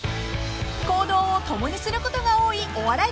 ［行動を共にすることが多いお笑いコンビ］